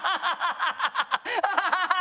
アハハハハ！